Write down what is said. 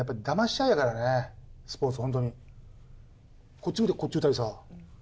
こっち向いてこっち打ったりさ。